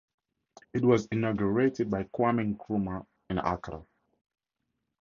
It was inaugurated by Kwame Nkrumah in Accra.